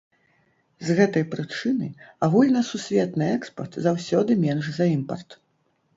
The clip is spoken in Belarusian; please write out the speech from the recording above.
З гэтай прычыны агульнасусветны экспарт заўсёды менш за імпарт.